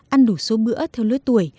ăn đủ số bữa theo lưới tuổi